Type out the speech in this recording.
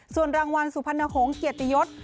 ส่วนรางวัลสุพรรณหงษ์เกียรติยศ